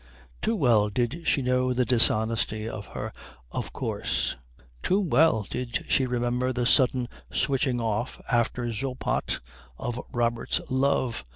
Too well did she know the dishonesty of her Of course; too well did she remember the sudden switching off, after Zoppot, of Robert's love.